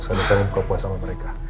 saya bisa ngebuka puas sama mereka